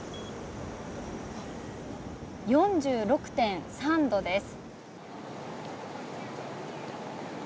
４６．３度です。